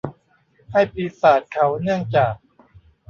ให้ปีศาจเขาเนื่องจาก